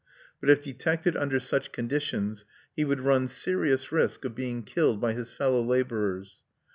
But if detected under such conditions he would run serious risk of being killed by his fellow laborers.